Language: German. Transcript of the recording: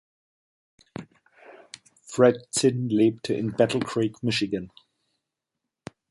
Fred Zinn lebte in Battle Creek, Michigan.